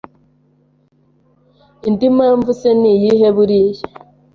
Indi mpamvu se niyihe buriya